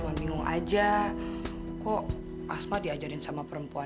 hiamento terima kasih atas nilai yang terkenal